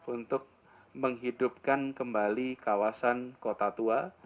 untuk menghidupkan kembali kawasan kota tua